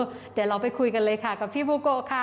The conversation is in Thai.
เดี๋ยวเราไปคุยกันเลยค่ะกับพี่บูโกค่ะ